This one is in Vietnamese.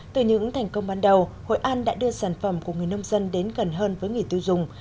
từ những thành công ban đầu hội an đã đưa sản phẩm của người nông dân đến gần hơn với người tiêu dùng